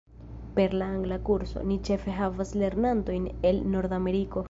Per la angla kurso, ni ĉefe havas lernantojn el Nordameriko.